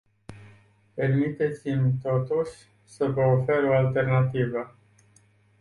Permiteți-mi, totuși, să vă ofer o alternativă.